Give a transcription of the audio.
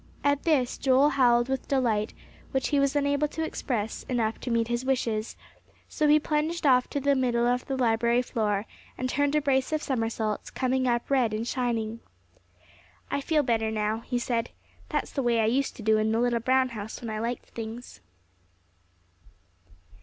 At this, Joel howled with delight, which he was unable to express enough to meet his wishes; so he plunged off to the middle of the library floor, and turned a brace of somersaults, coming up red and shining. "I feel better now," he said; "that's the way I used to do in the little brown house when I liked things."